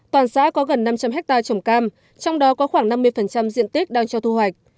toàn xã có gần năm trăm linh hectare trồng cam trong đó có khoảng năm mươi diện tích đang cho thu hoạch